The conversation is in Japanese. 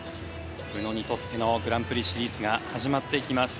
宇野にとってのグランプリシリーズが始まっていきます。